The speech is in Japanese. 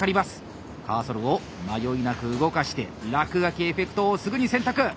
カーソルを迷いなく動かして落書きエフェクトをすぐに選択！